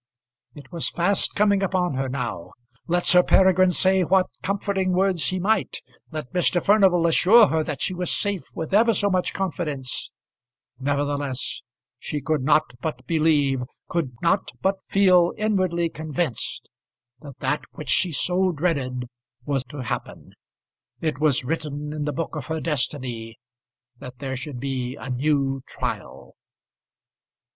It was fast coming upon her now. Let Sir Peregrine say what comforting words he might, let Mr. Furnival assure her that she was safe with ever so much confidence, nevertheless she could not but believe, could not but feel inwardly convinced, that that which she so dreaded was to happen. It was written in the book of her destiny that there should be a new trial.